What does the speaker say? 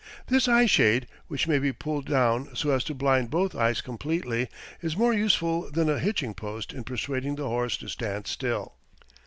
This eye shade, which may be pulled down so as to blind both eyes completely, is more useful than a hitching post in persuading the horse to stand still.